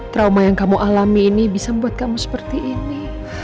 trauma yang kamu alami ini bisa membuat kamu seperti ini